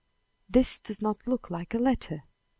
"This does not look like a letter."